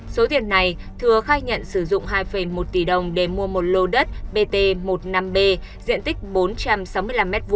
số tiền này thừa khai nhận sử dụng hai một tỷ đồng để mua một lô đất bt một mươi năm b diện tích bốn trăm sáu mươi năm m hai